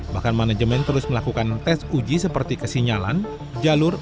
bahkan manajemen terus melakukan tes uji seperti kesinyalan jalur